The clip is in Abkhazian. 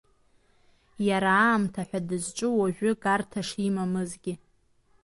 Иара аамҭа ҳәа дызҿу уажәы гарҭа шимамызгьы.